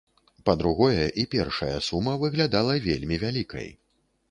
Па-другое, і першая сума выглядала вельмі вялікай.